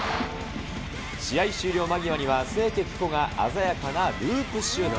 試合終了間際には清家貴子が鮮やかなループシュート。